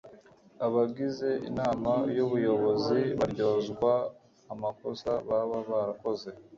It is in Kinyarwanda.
abagize inama y'ubuyobozi baryozwa amakosa baba barakoze